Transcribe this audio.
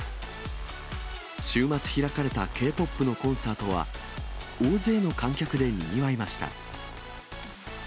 週末、開かれたＫ−ＰＯＰのコンサートは、大勢の観客でにぎわいました。